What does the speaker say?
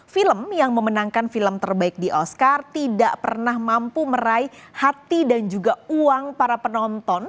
film yang memenangkan film terbaik di oscar tidak pernah mampu meraih hati dan juga uang para penonton